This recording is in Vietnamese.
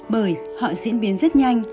bởi họ diễn biến rất nhanh